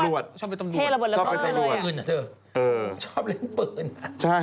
เหมือนกับฉันเป็นเด็กชอบเล่นกระตูกระตา